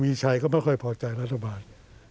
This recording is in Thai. แม้คุณวิชัยก็ไม่ค่อยพอใจรัฐบาท